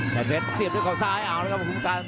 แซนเทศเสียบด้วยเขาซ้ายเอาเลยครับภูมิสาร